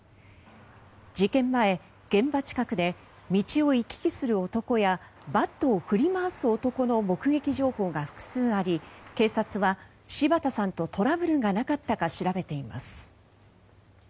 事件前、現場近くで道を行き来する男やバットを振り回す男の目撃情報が複数あり警察は柴田さんとトラブルがなかったか調べています。